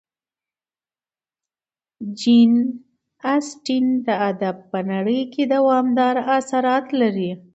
جین اسټن د ادب په نړۍ کې دوامداره اثرات لري.